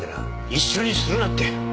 一緒にするなって。